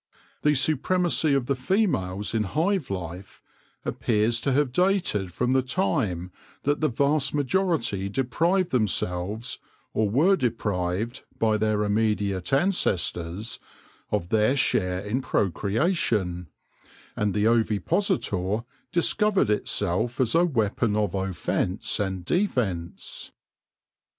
The supremacy of the females in hive life appears to have dated from the time that the vast majority deprived themselves, or were deprived by their immediate ancestors, of their share in pro creation, and the ovipositor discovered itself as a weapon of offence and defence.